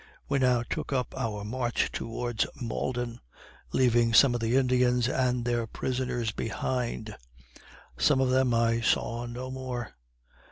We now took up our march towards Malden, leaving some of the Indians and their prisoners behind. Some of them I saw no more.